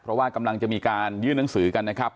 เพราะว่ากำลังจะมีการยื่นหนังสือกันนะครับ